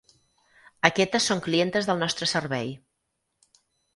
Aquestes són clientes del nostre servei.